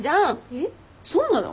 えっそうなの？